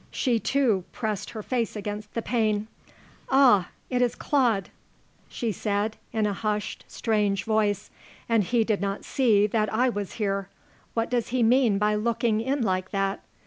She, too, pressed her face against the pane. "Ah! It is Claude," she said, in a hushed strange voice, "and he did not see that I was here. What does he mean by looking in like that?"